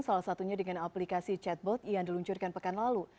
salah satunya dengan aplikasi chatbot yang diluncurkan pekan lalu